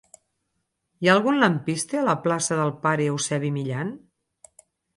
Hi ha algun lampista a la plaça del Pare Eusebi Millan?